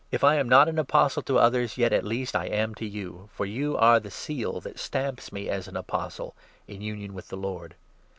Ill am not an Apostle to others, yet at least I am to you ; for you are the seal that stamps me as an Apostle in union with the' Lord.